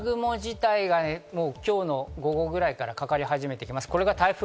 雨雲自体が今日の午後くらいから、かかり始めてきます。